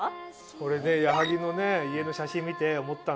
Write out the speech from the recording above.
俺ね矢作の家の写真見て思ったの。